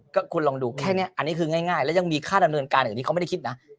ก็คุณลองดูแค่นี้อันนี้คือง่ายแล้วยังมีค่าดำเนินการอย่างนี้เขาไม่ได้คิดนะ